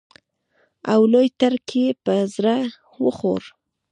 او لوی تړک یې په زړه وخوړ.